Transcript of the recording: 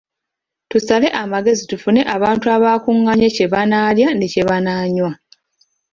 Tusale amagezi tufune abantu abakungaanye kye banaalya ne kye banaanywa.